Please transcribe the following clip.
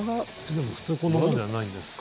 でも普通こんなもんじゃないんですか？